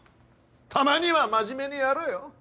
たまには真面目にやれよ！